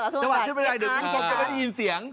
เจอหัวความขึ้นไปได้เดี๋ยวคุณผู้ชมจะได้ยินเสียง